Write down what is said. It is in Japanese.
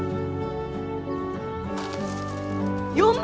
４万！？